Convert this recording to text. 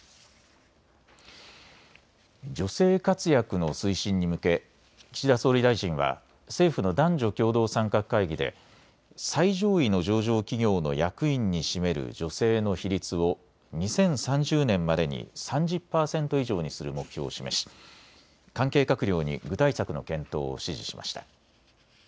女性活躍の推進に向け岸田総理大臣は政府の男女共同参画会議で最上位の上場企業の役員に占める女性の比率を２０３０年までに３０％以上にする目標を示し関係閣僚に具体策の検討を指示しました。